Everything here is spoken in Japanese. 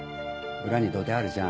裏に土手あるじゃん。